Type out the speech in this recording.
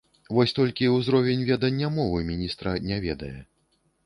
Вось толькі ўзровень ведання мовы міністра не ведае.